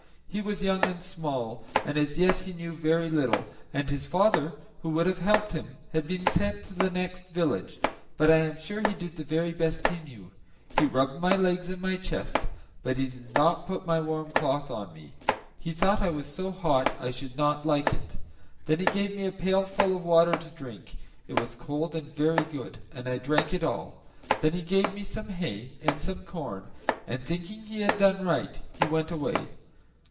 he was young and small, and as yet he knew very little, and his father, who would have helped him, had been sent to the next village; but I am sure he did the very best he knew. He rubbed my legs and my chest, but he did not put my warm cloth on me; he thought I was so hot I should not like it. Then he gave me a pailful of water to drink; it was cold and very good, and I drank it all; then he gave me some hay and some corn, and thinking he had done right, he went away.